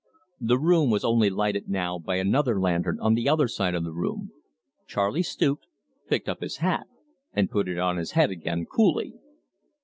The room was only lighted now by another lantern on the other side of the room. Charley stooped, picked up his hat, and put it on his head again coolly.